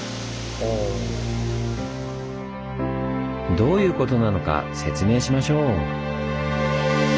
どういうことなのか説明しましょう。